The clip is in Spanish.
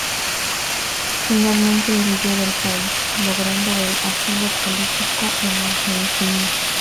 Finalmente huyó del país logrando el asilo político en Argentina.